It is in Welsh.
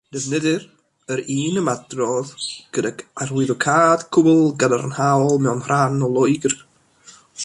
Defnyddir yr un ymadrodd gydag arwyddocâd cwbl gadarnhaol mewn rhan o Loegr.